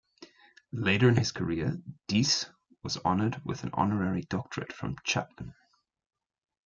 Later in his career, Deese was honored with an honorary Doctorate from Chapman.